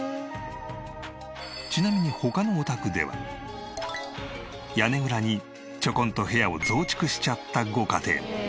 ちなみに他のお宅では屋根裏にちょこんと部屋を増築しちゃったご家庭も。